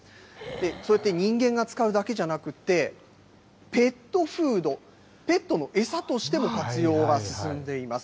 そうやって人間が使うだけじゃなくって、ペットフード、ペットの餌としても活用が進んでいます。